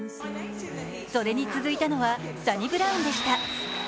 それに続いたのはサニブラウンでした。